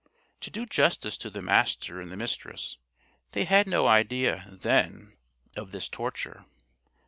To do justice to the Master and the Mistress, they had no idea then of this torture.